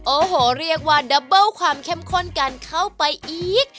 โอ้โหเรียกว่าดับเบิ้ลความเข้มข้นกันเข้าไปอีก